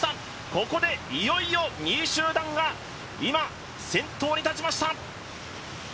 ここでいよいよ２位集団が今、先頭に立ちました。